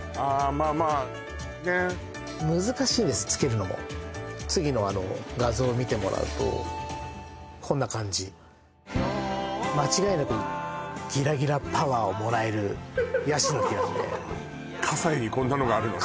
まあまあねっ難しいんです付けるのも次の画像を見てもらうとこんな感じ間違いなくギラギラパワーをもらえるヤシの木なんで葛西にこんなのがあるのね